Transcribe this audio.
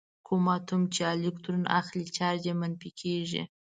کوم اتوم چې الکترون اخلي چارج یې منفي کیږي.